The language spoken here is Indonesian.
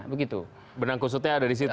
benang kursutnya ada di situ